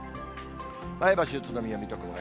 前橋、宇都宮、水戸、熊谷。